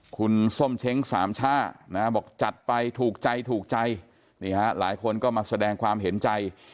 คุณส้มเช้งสามช่านะบอกจัดไปถูกใจถูกใจนี่ฮะหลายคนก็มาแสดงความเห็นใจ